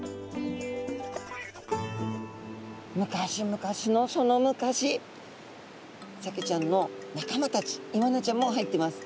昔昔のその昔サケちゃんの仲間たちイワナちゃんも入ってます。